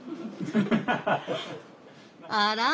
あら？